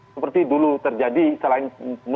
seperti dulu terjadi saya ingin menginginkan figurnya maju